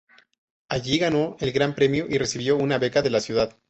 Allí ganó el Gran Premio y recibió una beca de la ciudad.